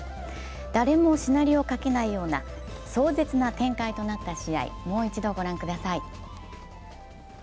誰もシナリオを書けないような壮絶な展開となった試合、もう一度ご覧ください。